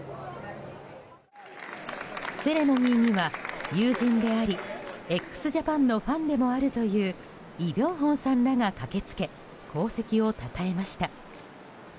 セレモニーには、友人でありＸＪＡＰＡＮのファンでもあるというイ・ビョンホンさんらが駆け付け功績をたたえました。